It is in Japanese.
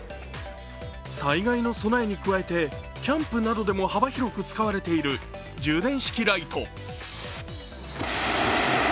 災害の備えに加えてキャンプなどでも幅広く使われている充電式ライト。